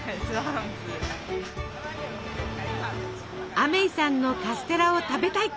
アメイさんのカステラを食べたい。